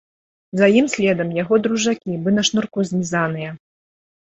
За ім следам яго дружакі, бы на шнурку знізаныя.